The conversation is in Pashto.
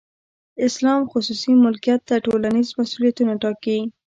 اسلام خصوصي ملکیت ته ټولنیز مسولیتونه ټاکي.